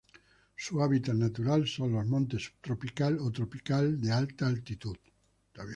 Su hábitat natural son montes subtropical o tropical de alta altitud.